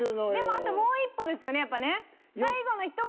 あともう１歩ですよねやっぱね。